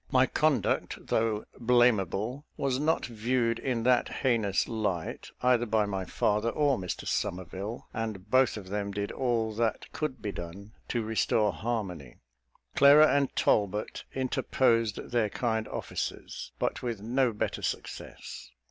My conduct, though blamable, was not viewed in that heinous light, either by my father or Mr Somerville; and both of them did all that could be done to restore harmony. Clara and Talbot interposed their kind offices, but with no better success.